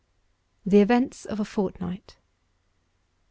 THE EVENTS OF A FORTNIGHT 1.